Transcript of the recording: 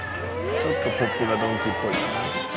ちょっとポップがドンキっぽい。